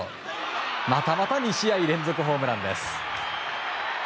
またまた２試合連続ホームランです。